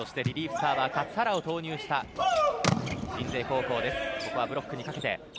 サーバー勝原を投入した鎮西高校です。